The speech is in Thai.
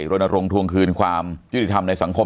บรรณารงค์ทวงคืนความยุติธรรมแบบนะครับ